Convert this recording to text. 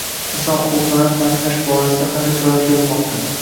Inson huquqlarini ta’minlash borasida qanday choralar ko‘rilmoqda?ng